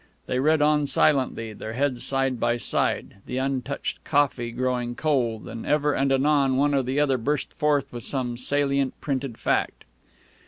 They read on silently, their heads side by side, the untouched coffee growing cold; and ever and anon one or the other burst forth with some salient printed fact.